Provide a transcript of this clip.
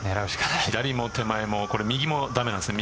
左も手前も右も駄目なんですよね。